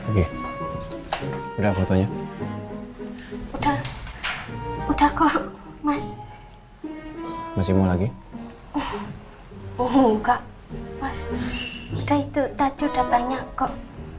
udah udah foto foto udah udah kok mas masih mau lagi oh enggak udah itu tadi udah banyak kok